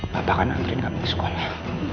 papa akan ngambilin kamu ke sekolah